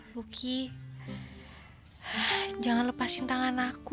buki jangan lepasin tangan aku